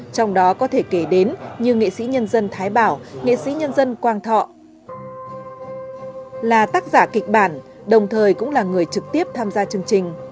trong đó có thể kể đến như nghệ sĩ nhân dân thái bảo nghệ sĩ nhân dân quang thọ là tác giả kịch bản đồng thời cũng là người trực tiếp tham gia chương trình